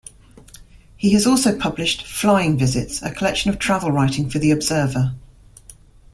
He has also published "Flying Visits", a collection of travel writing for "The Observer".